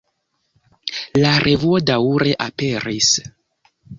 La revuo daŭre aperis.